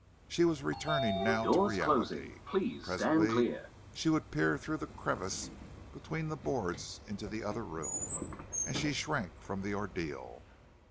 She was returning now to reality. Presently she would peer through the crevice between the boards into the other room, and she shrank from the ordeal.